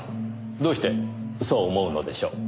どうしてそう思うのでしょう。